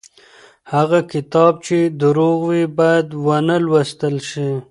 هغه کتاب چې دروغ وي بايد ونه لوستل شي.